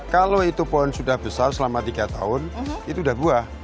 kalau itu pohon sudah besar selama tiga tahun itu sudah buah